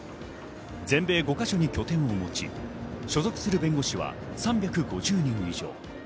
全米５か所に拠点を持ち、所属する弁護士は３５０人以上。